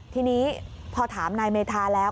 ทีนี้พอถามนายเมธาแล้ว